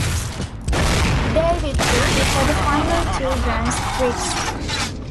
They withdrew before the final two Grands Prix.